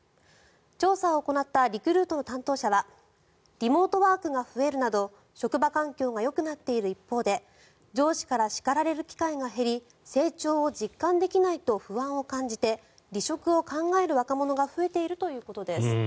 調査を行ったリクルートの担当者はリモートワークが増えるなど職場環境がよくなっている一方で上司から叱られる機会が減り成長を実感できないと不安を感じて離職を考える若者が増えているということです。